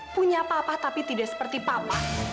punya papa tapi tidak seperti papa